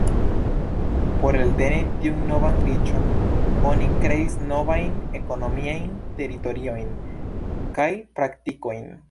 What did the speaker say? Pro elteni tiun novan riĉon, oni kreis novajn ekonomiajn teoriojn kaj praktikojn.